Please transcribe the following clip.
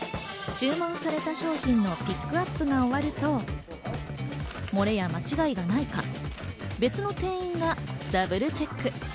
注文された商品のピックアップが終わると、漏れや間違いがないか別の店員がダブルチェック。